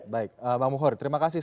baik mbak bukhori terima kasih